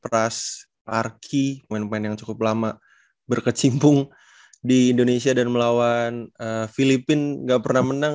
ras arki main main yang cukup lama berkecimpung di indonesia dan melawan filipina nggak pernah menang